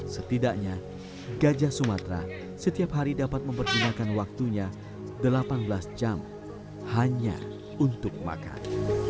setidaknya gajah sumatera setiap hari dapat mempergunakan waktunya delapan belas jam hanya untuk makan